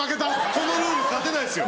このルール勝てないですよ。